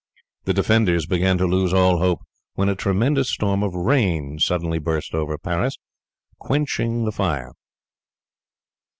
The defenders began to lose all hope, when a tremendous storm of rain suddenly burst over Paris quenching the fire.